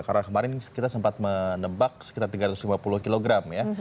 karena kemarin kita sempat menebak sekitar tiga ratus lima puluh kg ya